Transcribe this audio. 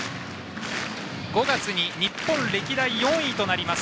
６月に日本歴代４位となります